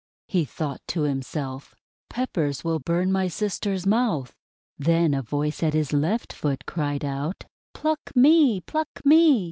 He thought to himself: "Peppers will burn my sister's mouth." Then a voice at his left foot cried out: "Pluck me! Pluck me!